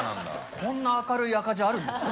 こんな明るい赤字あるんですか？